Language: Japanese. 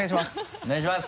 お願いします！